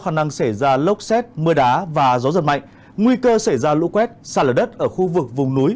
khả năng xảy ra lốc xét mưa đá và gió giật mạnh nguy cơ xảy ra lũ quét xa lở đất ở khu vực vùng núi